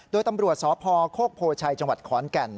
โดยตำรวจสพโคกโพชัยจขอนแก่น